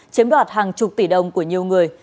chiếm đoạt hàng chục tỷ đồng của nhiều người